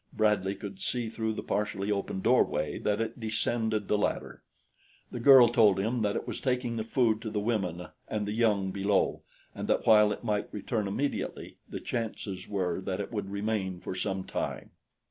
Bradley could see through the partially open doorway that it descended the ladder. The girl told him that it was taking the food to the women and the young below, and that while it might return immediately, the chances were that it would remain for some time.